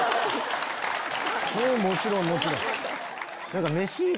もちろんもちろん。